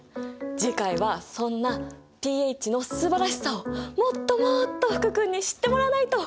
次回はそんなｐＨのすばらしさをもっともっと福君に知ってもらわないと！